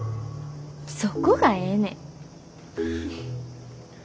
そこがええねん。